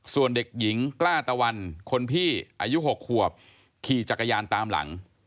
ส่วนเด็กหญิงกล้าตะวันคนพี่อายุ๖ขวบขี่จักรยานตามหลัง